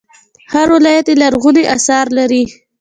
هر ولایت یې لرغوني اثار لري